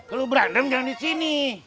eh lu berandem jangan disini